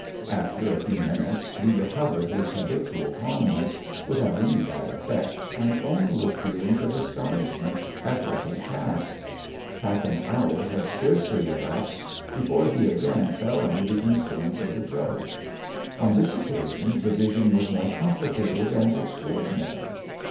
After a few minutes he recovered his habitual calmness, without any bad effect, and only with feelings of astonishment at what had passed. Half an hour had scarcely elapsed before he again fell under the influence of the drug. On this occasion the vision was more complicated and extraordinary.